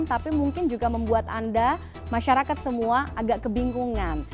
tapi mungkin juga membuat anda masyarakat semua agak kebingungan